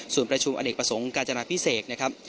ส่วนประชุมอเนกประสงค์กาญจนาพิเศษนะครับ